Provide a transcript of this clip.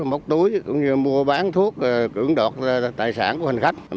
móc túi cũng như mua bán thuốc cưỡng đoạt tài sản của hành khách